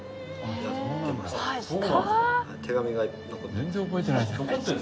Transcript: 全然覚えてないじゃん。